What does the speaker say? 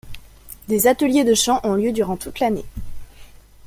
Des ateliers de chants ont lieu durant toute l'année.